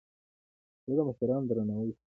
زه د مشرانو درناوی کوم.